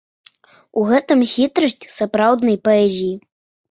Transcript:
У гэтым хітрасць сапраўднай паэзіі.